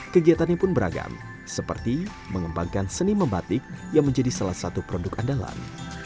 kegiatannya pun beragam seperti mengembangkan seni membatik yang menjadi salah satu produk andalan